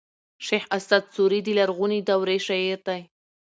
شېخ اسعد سوري د لرغوني دورې شاعر دﺉ.